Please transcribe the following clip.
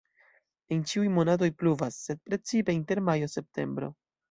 En ĉiuj monatoj pluvas, sed precipe inter majo-septembro.